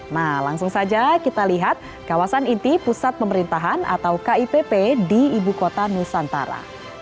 nah langsung saja kita lihat kawasan inti pusat pemerintahan atau kipp di ibu kota nusantara